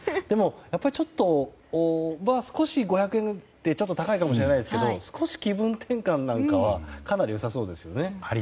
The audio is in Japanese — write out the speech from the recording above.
やっぱり５００円ってちょっと高いかもしれませんが少し気分転換なんかはかなり良さそうですよね。